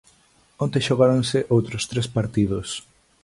Onte xogáronse outros tres partidos.